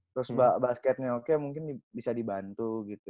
terus basketnya oke mungkin bisa dibantu gitu